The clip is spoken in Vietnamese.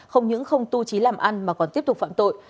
không những không tu trí làm ăn mà còn tiếp tục phạm tội